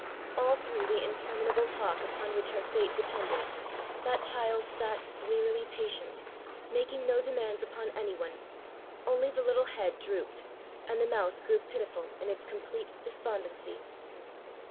All through the interminable talk upon which her fate depended, that child sat wearily patient, making no demands upon anyone; only the little head drooped, and the mouth grew pitiful in its complete despondency.